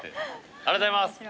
ありがとうございます！